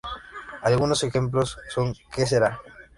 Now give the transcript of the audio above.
Algunos ejemplos son "Que sera sera!